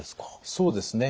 そうですね。